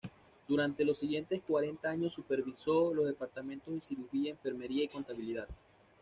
Durante los siguientes cuarenta años supervisó los departamentos de cirugía, enfermería y contabilidad.